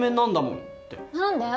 何で？